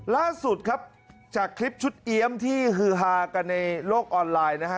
ล่าสุดครับจากคลิปชุดเอี๊ยมที่ฮือฮากันในโลกออนไลน์นะฮะ